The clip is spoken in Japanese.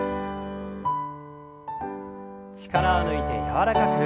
力を抜いて柔らかく。